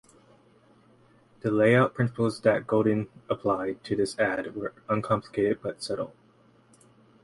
The layout principles that Golden applied to this ad were uncomplicated but subtle.